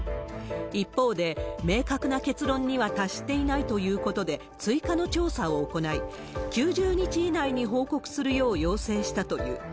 一方で、明確な結論には達していないということで追加の調査を行い、９０日以内に報告するよう要請したという。